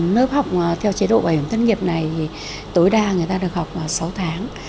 nước học theo chế độ bảo hiểm thất nghiệp này thì tối đa người ta được học sáu tháng